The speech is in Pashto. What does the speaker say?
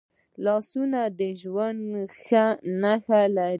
لاسونه د ژوند نښې لري